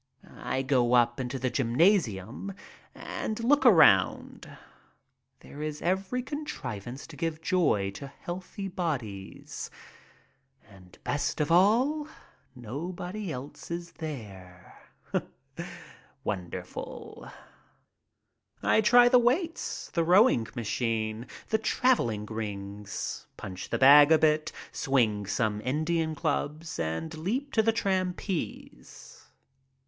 I go up into the gymnasium and look around. There is every contrivance to give joy to healthy bodies. And best of all, nobody else is there. Wonderful! I try the weights, the rowing machine, the traveling rings, punch the bag a bit, swing some Indian clubs, and leap to the trapeze.